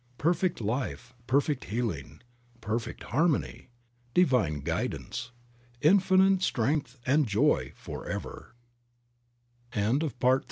Perfect life, perfect healing, perfect harmony, Divine guidance, Infinite strength and joy forev